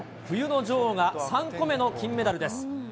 冬の女王が３個目の金メダルです。